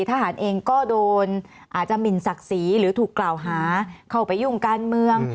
ทหารเองก็โดนอาจจะหมินศักดิ์ศรีหรือถูกกล่าวหาเข้าไปยุ่งการเมือง